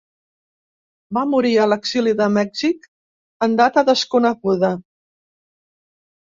Va morir a l'exili de Mèxic en data desconeguda.